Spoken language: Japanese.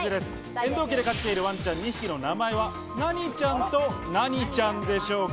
遠藤家で飼っているワンちゃん２匹の名前は何ちゃんと何ちゃんでしょうか？